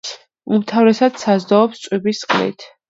უმთავრესად საზრდოობს წვიმის წყლით.